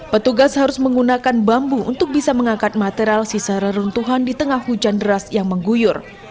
petugas harus menggunakan bambu untuk bisa mengangkat material sisa reruntuhan di tengah hujan deras yang mengguyur